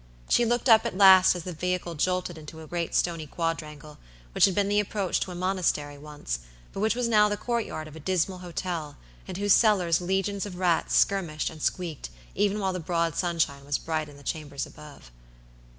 She looked up at last as the vehicle jolted into a great stony quadrangle, which had been the approach to a monastery once, but which was now the court yard of a dismal hotel, in whose cellars legions of rats skirmished and squeaked even while the broad sunshine was bright in the chambers above.